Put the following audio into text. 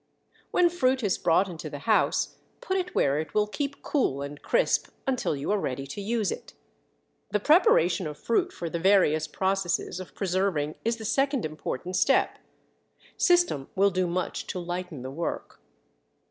When fruit is brought into the house put it where it will keep cool and crisp until you are ready to use it. The preparation of fruit for the various processes of preserving is the second important step. System will do much to lighten the work.